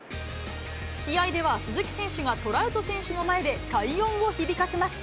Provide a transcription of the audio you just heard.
試合では鈴木選手がトラウト選手の前で快音を響かせます。